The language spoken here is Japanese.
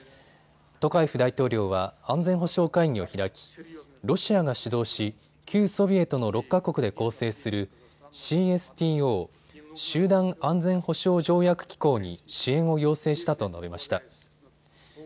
トカエフ大統領は安全保障会議を開きロシアが主導し旧ソビエトの６か国で構成するＣＳＴＯ・集団安全保障条約機構に支援を要請したと述べました。